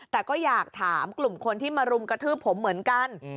แต่ก็อยากถามกลุ่มคนที่มารุมกระทืบผมเหมือนกัน